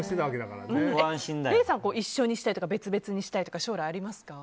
礼さん、一緒にしたいとか別々にしたいとか将来、ありますか？